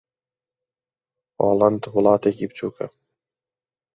ھۆلەند وڵاتێکی بچووکە.